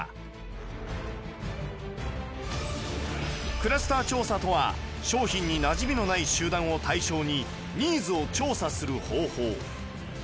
クラスター調査とは商品になじみのない集団を対象にニーズを調査する方法